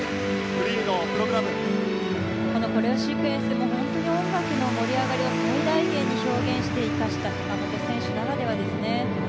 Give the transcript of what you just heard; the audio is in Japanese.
このコレオシークエンスも本当に音楽の盛り上がりを最大限に表現して生かした坂本選手ならではですね。